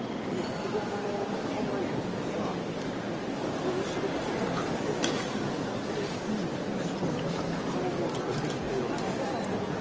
子どものかわいい服が帽子でこんなにかっこよくなるなんてすごい、何か宝物ができたような。